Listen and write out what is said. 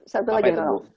satu lagi raul